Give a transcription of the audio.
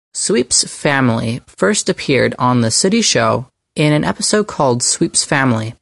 Sweep's family first appeared on the Sooty Show in an episode called "Sweep's Family".